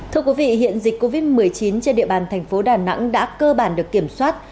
thưa quý vị hiện dịch covid một mươi chín trên địa bàn thành phố đà nẵng đã cơ bản được kiểm soát